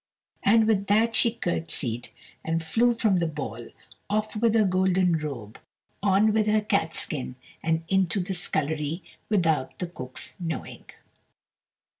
and with that she curtsied, and flew from the ball, off with her golden robe, on with her catskin, and into the scullery without the cook's knowing.